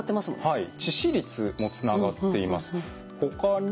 はい。